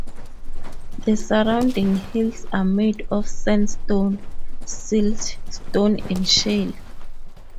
The surrounding hills are made of sandstone, siltstone and shale.